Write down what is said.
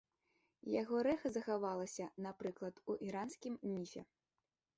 Яго рэха захавалася, напрыклад, у іранскім міфе.